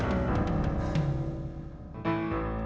aku nyari kertas sama pulpen dulu ya